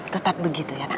tetap begitu ya nak